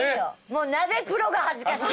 もうナベプロが恥ずかしい。